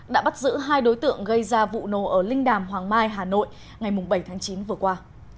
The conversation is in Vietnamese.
đã bắt giữ hai đối tượng gây ra vụ nổ ở linh đàm hoàng mai hà nội ngày bảy tháng chín vừa qua